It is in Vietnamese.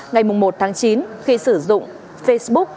ngày một chín khi sử dụng facebook